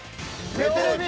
目テレビ。